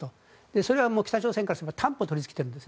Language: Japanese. それは、北朝鮮からすれば担保を取りつけているんです。